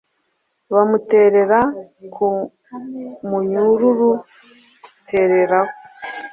bamuterera mu munyururu tereraho,